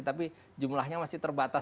tapi jumlahnya masih terbatas